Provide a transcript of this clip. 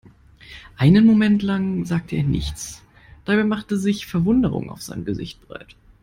Einen Moment lang sagte er nichts, dabei machte sich Verwunderung auf seinem Gesicht breit.